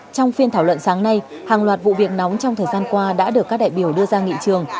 trong phiên thảo luận sáng nay hàng loạt vụ việc nóng trong thời gian qua đã được các đại biểu đưa ra nghị trường